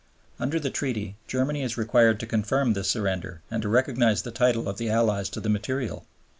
Under the Treaty Germany is required to confirm this surrender and to recognize the title of the Allies to the material.